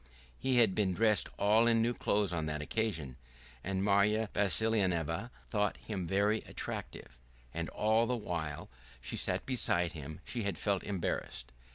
He had been dressed all in new clothes on that occasion, and Marya Vassilyevna thought him very attractive, and all the while she sat beside him she had felt embarrassed.